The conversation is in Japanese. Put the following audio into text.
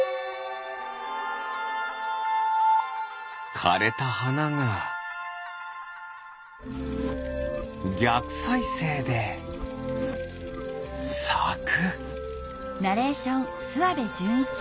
かれたはながぎゃくさいせいでさく。